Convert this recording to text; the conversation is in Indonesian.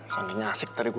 sampai nyasik tadi gue